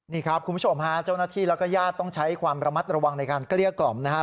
นี่ครับคุณผู้ชมฮะเจ้าหน้าที่แล้วก็ญาติต้องใช้ความระมัดระวังในการเกลี้ยกล่อมนะครับ